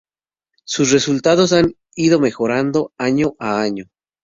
Sus resultados han ido mejorando año a año.